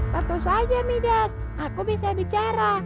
tentu saja midas aku bisa bicara